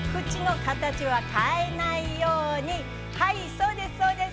そうです、そうです。